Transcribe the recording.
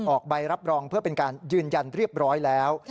ออกใบรับรองเพื่อเป็นการยืนยันเรียบร้อยแล้ว